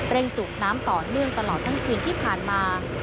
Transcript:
สูบน้ำต่อเนื่องตลอดทั้งคืนที่ผ่านมา